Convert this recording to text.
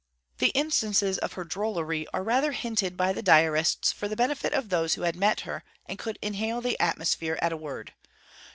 The instances of her drollery are rather hinted by the Diarists for the benefit of those who had met her and could inhale the atmosphere at a word.